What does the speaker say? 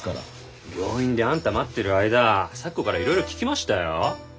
病院であんた待ってる間咲子からいろいろ聞きましたよ。